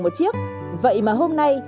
một chiếc vậy mà hôm nay